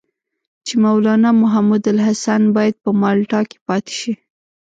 چې مولنا محمودالحسن باید په مالټا کې پاتې شي.